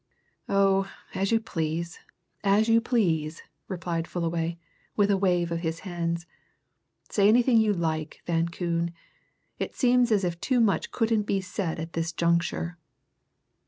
"Oh, as you please, as you please!" replied Fullaway, with a wave of his hands. "Say anything you like, Van Koon it seems as if too much couldn't be said at this juncture."